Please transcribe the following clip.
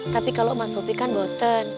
tapi kalau mas kopi kan boten